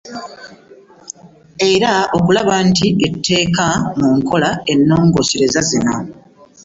Era okulaba nti eteeka mu nkola ennongoosereza zino.